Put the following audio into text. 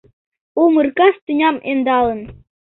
Умыр кас тӱням Ӧндалын.